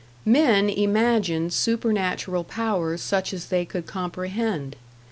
Men imagined supernatural powers such as they could comprehend.